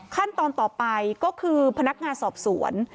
ขั้นตอนต่อไปก็คือพนักงานสอบสวน